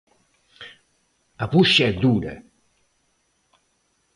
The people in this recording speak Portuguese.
A bucha é dura